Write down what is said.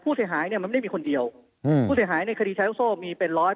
ผู้เสียหายในคดีชายโศกมีเป็นร้อย